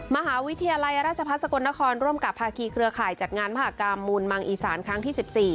มหาวิทยาลัยราชพัฒน์สกลนครร่วมกับภาคีเครือข่ายจัดงานมหากรรมมูลมังอีสานครั้งที่๑๔